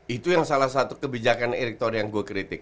itu yang salah satu kebijakan eriktor yang gue kritik